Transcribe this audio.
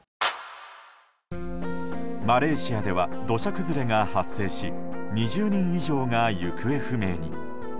マレーシアでは土砂崩れが発生し２０人以上が行方不明に。